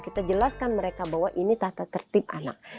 kita jelaskan mereka bahwa ini tata tertib anak